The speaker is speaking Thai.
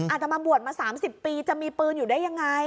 อาจจะมาบวชมา๓๐ปีจะมีปืนอยู่ได้ยังไง